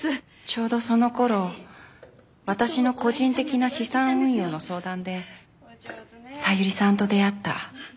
ちょうどその頃私の個人的な資産運用の相談で小百合さんと出会った。